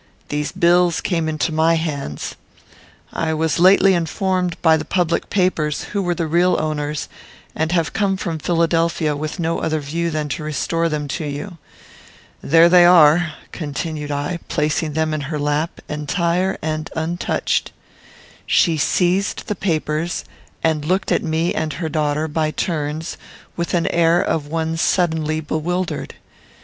These bills came into my hands. I was lately informed, by the public papers, who were the real owners, and have come from Philadelphia with no other view than to restore them to you. There they are," continued I, placing them in her lap, entire and untouched. She seized the papers, and looked at me and at her daughter, by turns, with an air of one suddenly bewildered.